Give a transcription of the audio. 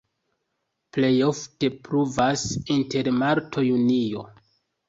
Plej ofte pluvas inter marto-junio.